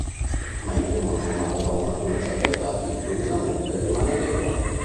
May è una normale donna di una certa età che improvvisamente rimane vedova.